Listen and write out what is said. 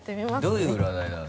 どういう占いなの？